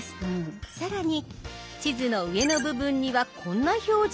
更に地図の上の部分にはこんな表示。